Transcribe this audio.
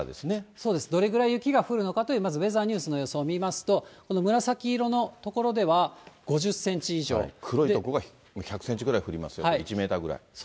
そうです、どれぐらい雪が降るのかというウェザーニューズの予想を見ますと、黒い所が１００センチぐらい降りますよと、１メーターぐらい。